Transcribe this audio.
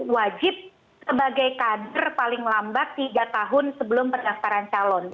wajib sebagai kader paling lambat tiga tahun sebelum pendaftaran calon